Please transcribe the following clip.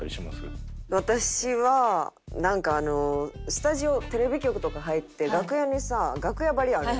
私はなんかスタジオテレビ局とか入って楽屋にさ楽屋バリあるやん。